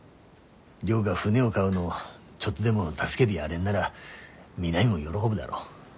亮が船を買うのちょっとでも助けでやれんなら美波も喜ぶだろ。